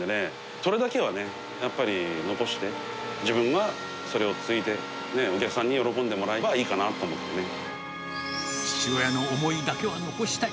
それだけはね、やっぱり残して、自分がそれを継いで、お客さんに喜んでもらえればいいかなと思っ父親の思いだけは残したい。